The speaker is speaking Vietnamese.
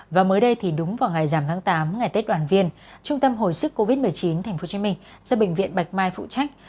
và mới đây thì đúng vào ngày giảm tháng tám ngày tết đoàn viên trung tâm hồi sức covid một mươi chín tp hcm do bệnh viện bạch mai phụ trách